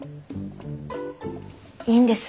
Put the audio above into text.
いいんです